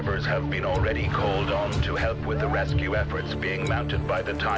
เทพฝ่าไม่อยากให้ใครตายไปตรงเชียม๓ตรงตอนกลายเส้นระเบิด